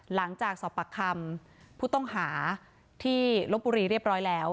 หลังจากสอบปากคำผู้ต้องหาที่ลบบุรีเรียบร้อยแล้ว